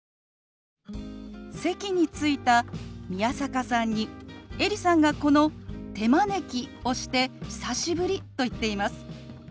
席に着いた宮坂さんにエリさんがこの「手招き」をして「久しぶり」と言っています。